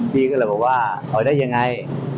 พี่ก็เลยบอกว่าถอยได้ยังไง